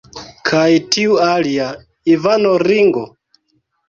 Kaj tiu alia, Ivano Ringo?